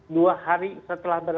dua hari setelah